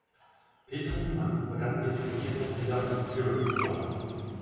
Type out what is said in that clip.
Petra Niemann begann ihre Karriere in der Europe-Jolle.